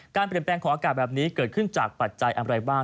การเปลี่ยนแปลงของอากาศแบบนี้เกิดขึ้นจากปัจจัยอะไรบ้าง